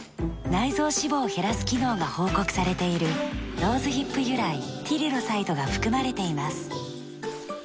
内臓脂肪を減らす機能が報告されているローズヒップ由来ティリロサイドが含まれています。